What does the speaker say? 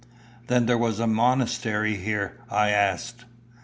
"Then was there a monastery here?" I asked.